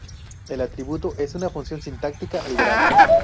El atributo es una función sintáctica liberal.